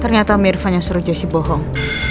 ternyata mirvan yang suruh jessy bohong